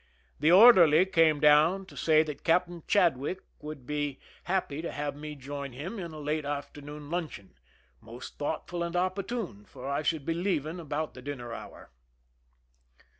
The orderly came down to say that Captain Chadwick would be 74 THE EUN IN happy to have me join him in a late afternoon luncheon— most thoughtful and opportune, for I should be leaving about the dinner hour.